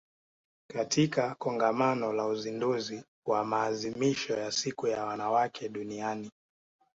katika Kongamano la Uzinduzi wa Maadhimisho ya Siku ya Wanawake Duniani